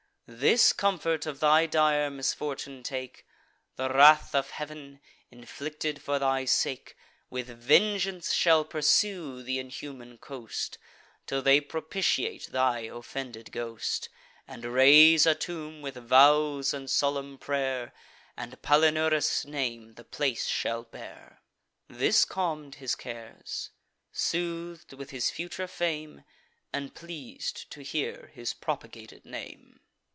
This comfort of thy dire misfortune take: The wrath of Heav'n, inflicted for thy sake, With vengeance shall pursue th' inhuman coast, Till they propitiate thy offended ghost, And raise a tomb, with vows and solemn pray'r; And Palinurus' name the place shall bear." This calm'd his cares; sooth'd with his future fame, And pleas'd to hear his propagated name.